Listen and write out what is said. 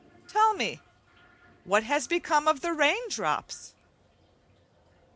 Tell me; what has become of the rain drops?